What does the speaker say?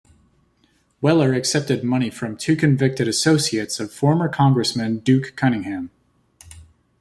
Weller accepted money from two convicted associates of former congressman Duke Cunningham.